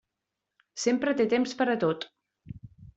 Sempre té temps per a tot.